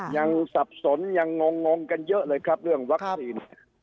สับสนยังงงกันเยอะเลยครับเรื่องวัคซีน